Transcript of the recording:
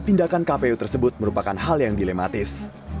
tindakan kpu tersebut merupakan hal yang dilematis